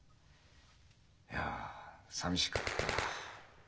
いやさみしかった。